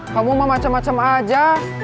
kamu mau macem macem aja